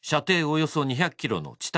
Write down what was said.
およそ２００キロの地